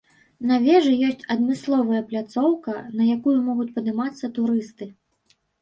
На вежы ёсць адмысловая пляцоўка, на якую могуць падымацца турысты.